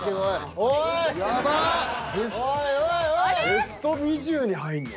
ベスト２０に入るの？